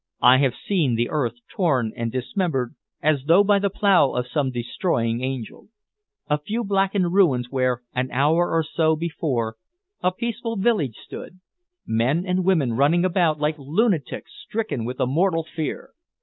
"I have seen the earth torn and dismembered as though by the plough of some destroying angel. A few blackened ruins where, an hour or so before, a peaceful village stood; men and women running about like lunatics stricken with a mortal fear.